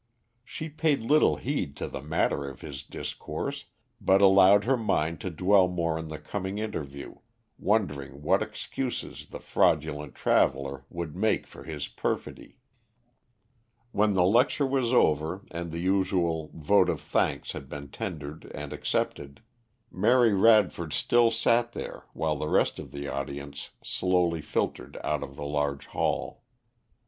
She paid little heed to the matter of his discourse, but allowed her mind to dwell more on the coming interview, wondering what excuses the fraudulent traveller would make for his perfidy. When the lecture was over, and the usual vote of thanks had been tendered and accepted, Mary Radford still sat there while the rest of the audience slowly filtered out of the large hall.